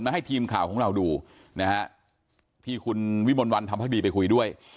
ให้ทีมข่าวของเราดูนะฮะที่คุณวิมลวันทำพักดีไปคุยด้วย